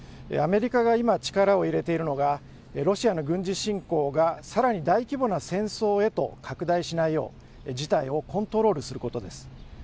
アメリカが今力を入れているのがロシアの軍事侵攻がさらに大規模な戦争へと拡大しないよう事態をコントロールすることです。